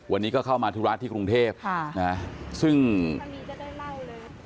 วันนี้ก็เข้ามาธุระที่กรุงเทพค่ะนะซึ่งจะได้เล่าเลย